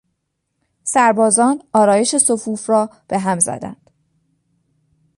سربازان آرایش صفوف را به هم زدند.